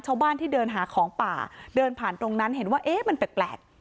ชาวบ้านที่เดินหาของป่าเดินผ่านตรงนั้นเห็นว่าเอ๊ะมันแปลก